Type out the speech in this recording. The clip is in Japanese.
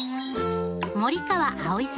森川葵さん